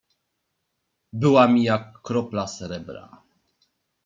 "Była mi jak kropla srebra."